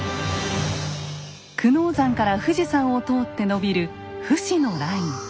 久能山から富士山を通って延びる不死のライン。